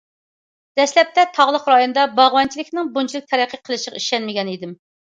دەسلەپتە تاغلىق رايوندا باغۋەنچىلىكنىڭ بۇنچىلىك تەرەققىي قىلىشىغا ئىشەنمىگەنىدىم.